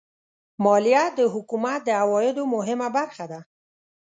مالیه د حکومت د عوایدو مهمه برخه ده.